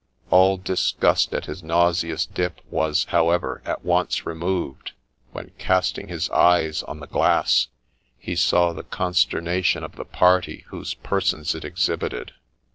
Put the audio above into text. All disgust at his nauseous dip was, how ever, at once removed, when, casting his eyes on the glass, he saw the consternation of the party whose persons it exhibited.